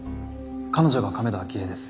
彼女が亀田亜希恵です。